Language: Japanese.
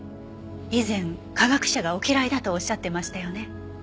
以前科学者がお嫌いだとおっしゃってましたよね。